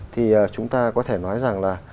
thì chúng ta có thể nói rằng là